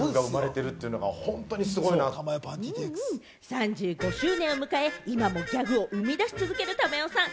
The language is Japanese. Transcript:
３５周年を迎え、今もギャグを生み出し続ける珠代さん。